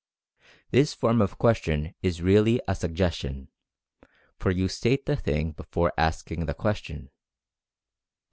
This form of question is really a suggestion, for you state the thing before asking the question.